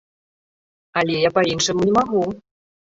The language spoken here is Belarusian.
Але я па-іншаму не магу.